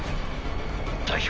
代表。